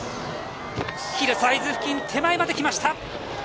ヒルサイズ付近手前まで来ました。